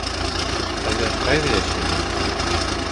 Әле ҡайҙа йәшәйһегеҙ?